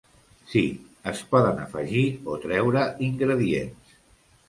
Sí, es poden afegir o treure ingredients.